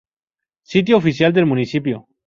Sitio oficial del municipio